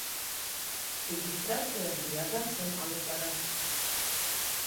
Регистрацияны ярҙамсым алып бара.